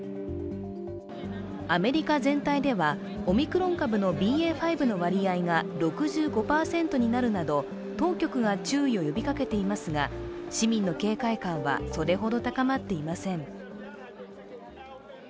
アメリカ全体では、オミクロン株のＢＡ．５の割合が６５％になるなど当局が注意を呼びかけていますが市民の警戒感は、それほど高まっていません。